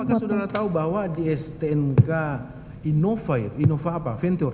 apakah saudara tahu bahwa di stnk innova itu inova apa venture